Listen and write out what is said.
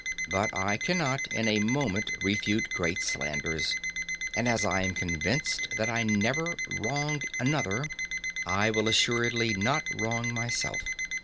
But I cannot in a moment refute great slanders; and, as I am convinced that I never wronged another, I will assuredly not wrong myself.